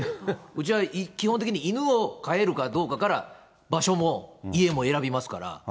うちは基本的に犬を飼えるかどうかから、場所も家も選びますから。